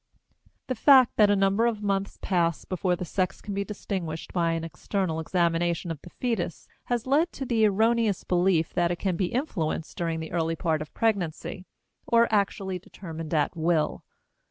The fact that a number of months pass before the sex can be distinguished by an external examination of the fetus has led to the erroneous belief that it can be influenced during the early part of pregnancy or actually determined at will.